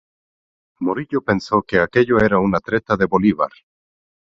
Morillo pensó que aquello era una treta de Bolívar.